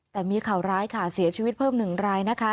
แต่มีข่าวร้ายค่ะเสียชีวิตเพิ่ม๑รายนะคะ